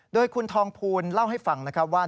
โดยคุณทองภูลเล่าให้ฟังนะครับว่า